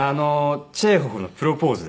チェーホフの『プロポース』です。